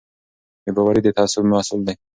بې باوري د تعصب محصول دی